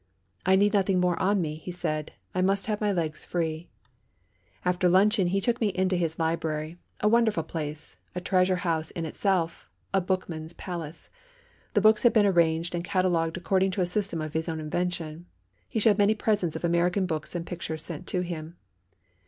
"I need nothing more on me," he said; "I must have my legs free." After luncheon he took me into his library, a wonderful place, a treasure house in itself, a bookman's palace. The books had been arranged and catalogued according to a system of his own invention. He showed many presents of American books and pictures sent to him.